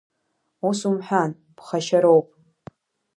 Ус умҳәан, ԥхашьароуп!